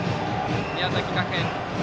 宮崎学園。